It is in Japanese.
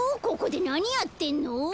ここでなにやってんの？